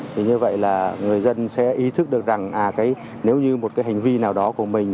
thì như vậy là người dân sẽ ý thức được rằng nếu như một cái hành vi nào đó của mình